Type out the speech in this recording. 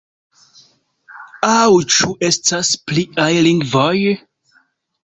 Aŭ ĉu estas pliaj lingvoj?